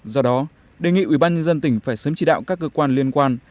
do đó đề nghị ủy ban nhân dân tỉnh phải sớm chỉ đạo các cơ quan liên quan